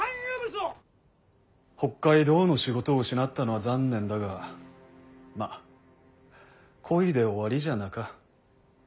北海道の仕事を失ったのは残念だがまぁこいで終わりじゃなか。